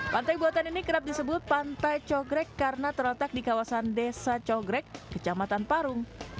pantai buatan ini kerap disebut pantai cogrek karena terletak di kawasan desa cogrek kecamatan parung